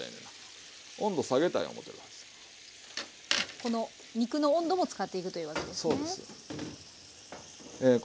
この肉の温度も使っていくというわけですね。